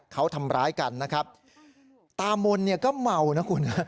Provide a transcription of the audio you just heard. เขาทำร้ายกันนะครับตามนเนี่ยก็เมานะคุณฮะ